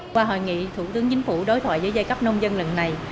qua hội nghị thủ tướng chính phủ đối thoại với giai cấp nông dân lần này